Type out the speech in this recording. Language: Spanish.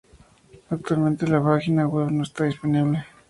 Actualmente la página web no está disponible.